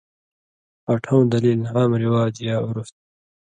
اٹھؤں دلیل عام رواج یا عُرف تھی۔